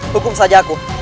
hukum saja aku